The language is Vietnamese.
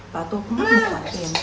và tôi cũng mất một khoản tiền